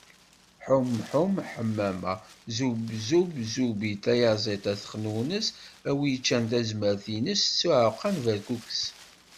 Ḥum ḥum, Ḥemmama. Zub zub, Zubid. Tayaziḍt ad texnunes, a wi ččan tadmert-ines, s uɛeqqa n berkukes.